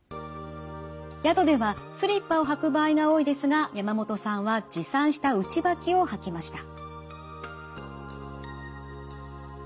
宿ではスリッパを履く場合が多いですが山本さんは持参した内履きを履きました。